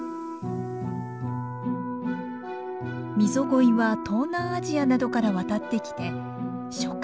ミゾゴイは東南アジアなどから渡ってきて初夏